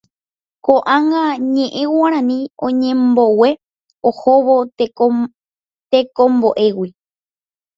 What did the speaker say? Koʼág̃a ñeʼẽ Guarani oñembogue ohóvo tekomboʼégui.